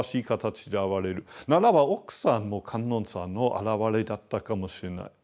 ならば奥さんも観音さんのあらわれだったかもしれない。